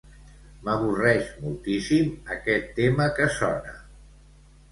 M'avorreix moltíssim aquest tema que sona.